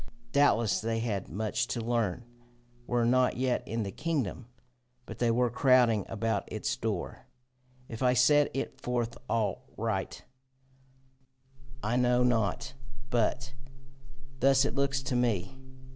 Doubtless they had much to learn, were not yet in the kingdom, but they were crowding about its door. If I set it forth aright, I know not, but thus it looks to me.